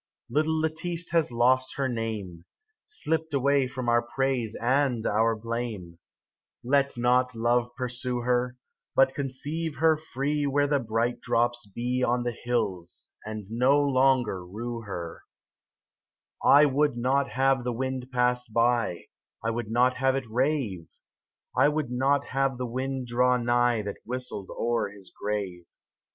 Little Lettice has lost her name, Slipt away from our praise and our blame ; Let not love pursue her, But conceive her free Where the bright drops be On the hills, and no longer rue her I 31 1 WOULD not have the wind pass by I would not have it rave, I would not have the wind draw nigh That whistled o'er his grave.